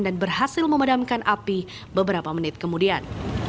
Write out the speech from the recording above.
dan berhasil memadamkan api beberapa menit kemudian